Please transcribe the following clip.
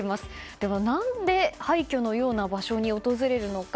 では、何で廃虚のような場所に訪れるのか。